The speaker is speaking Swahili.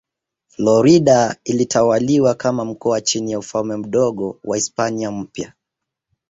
Florida ilitawaliwa kama mkoa chini ya Ufalme Mdogo wa Hispania Mpya.